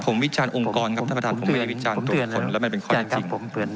ผมวิจารณ์องค์กรครับท่านประธานผมไม่ได้วิจารณ์ตัวบุคคลแล้วมันเป็นข้อเท็จจริง